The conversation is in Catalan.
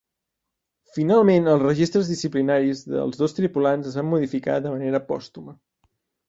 Finalment, els registres disciplinaris dels dos tripulants es van modificar de manera pòstuma.